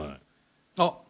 あっ！